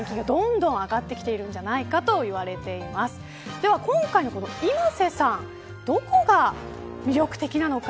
では今回のｉｍａｓｅさんどこが魅力的なのか。